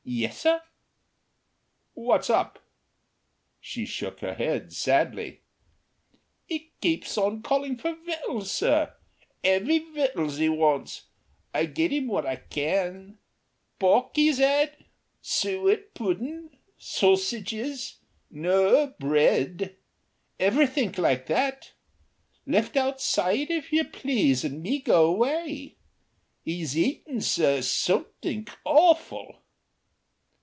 "Yes, sir." "What's up?" She shook her head sadly, "'E keeps on calling for vittles, sir. 'EAVY vittles 'e wants. I get 'im what I can. Pork 'e's 'ad, sooit puddin', sossiges, noo bread. Everythink like that. Left outside, if you please, and me go away. 'E's eatin', sir, somethink AWFUL."